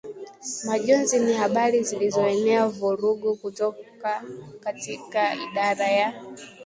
Majonzi ni habari zilizoenea vururgu kutoka katika idara ya